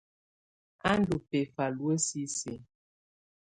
A ndu bɛfa luǝ́ sisiǝ.